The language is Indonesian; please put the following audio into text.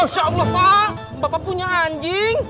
insya allah pak bapak punya anjing